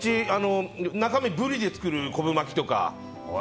中身をブリで作る昆布巻きとか。